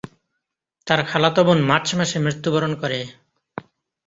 তার খালাতো বোন মার্চ মাসে মৃত্যুবরণ করে।